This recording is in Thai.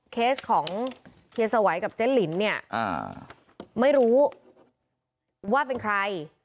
เคสของเฮียสวัยกับเจ๊ลินเนี่ยไม่รู้ว่าเป็นใคร